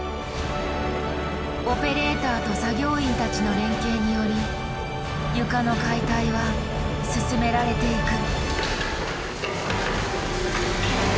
オペレーターと作業員たちの連携により床の解体は進められていく。